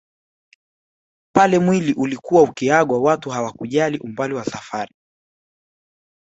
Pale mwili ulikuwa ukiagwa watu hawakujali umbali wa safari